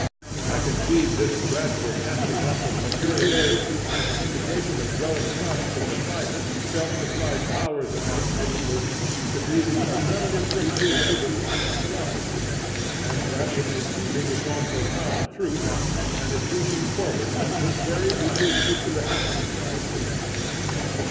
I conceive this gradual casting off of material aids, and the indication of growing trust in the private self supplied powers of the individual, to be the affirmative principle of the recent philosophy, and that it is feeling its own profound truth and is reaching forward at this very hour to the happiest conclusions.